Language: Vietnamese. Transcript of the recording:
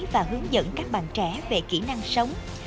và hướng dẫn các bạn trẻ về kỹ năng sống